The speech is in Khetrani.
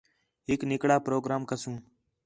ہِک نِکڑا پروگرام کسوں